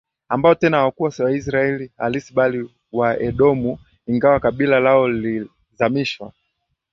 ambao tena hawakuwa Waisraeli halisi bali Waedomu ingawa kabila lao lililazimishwa